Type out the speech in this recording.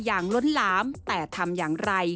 ล้นหลามแต่ทำอย่างไร